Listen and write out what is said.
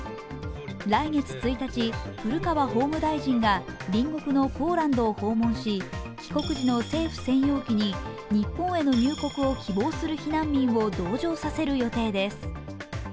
来月１日、古川法務大臣が隣国のポーランドを訪問し帰国時の政府専用機に日本への入国を希望する避難民を同乗させる予定です。